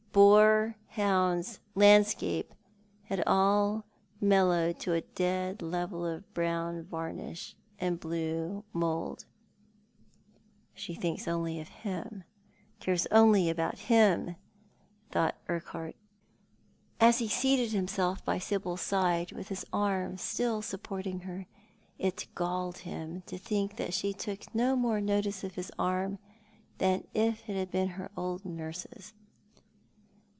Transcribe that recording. Boar, hounds, landscape, had all mellowed to a dead level of brown varnish and blue mould. "She thinks only of him; cares only about him," thought Urquhart, as he seated himself by Sibyl's side, with his arm still supporting her. It galled him to see that she took no more notice of his arm than if it had been her old nurse's.